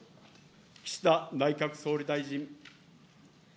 岸田内閣総理大臣。